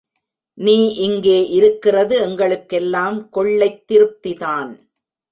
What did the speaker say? நீ இங்கே இருக்கிறது எங்களுக்கெல்லாம் கொள்ளைத் திருப்திதான்.